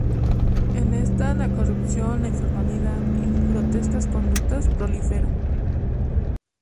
En esta la corrupción, la informalidad y grotescas conductas proliferan.